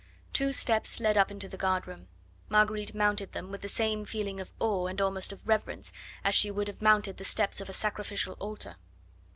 Two steps led up into the guard room. Marguerite mounted them with the same feeling of awe and almost of reverence as she would have mounted the steps of a sacrificial altar.